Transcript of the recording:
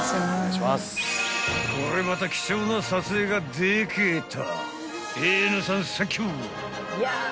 ［これまた貴重な撮影がでけた］